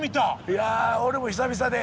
いや俺も久々で。